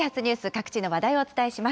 各地の話題をお伝えします。